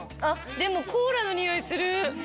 でも、コーラの匂いする。